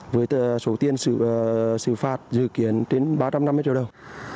với số tiền xử phạt dự kiến trên ba trăm năm mươi triệu đồng